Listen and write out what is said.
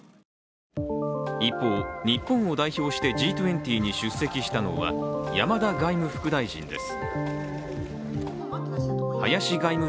一方、日本を代表してＧ２０に出席したのは山田外務副大臣です。